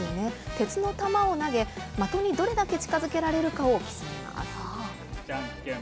鉄の球を投げ、的にどれだけ近づけられるかを競います。